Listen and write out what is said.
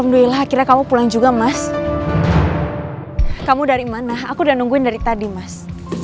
alhamdulillah akhirnya kamu pulang juga mas kamu dari mana aku udah nungguin dari tadi mas